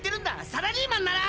サラリーマンなら。